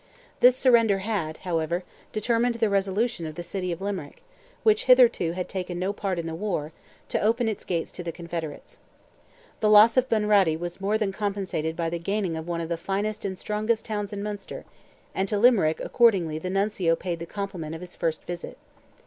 This surrender had, however, determined the resolution of the city of Limerick, which hitherto had taken no part in the war, to open its gates to the Confederates. The loss of Bunratty was more than compensated by the gaining of one of the finest and strongest towns in Munster, and to Limerick accordingly the Nuncio paid the compliment of his first visit.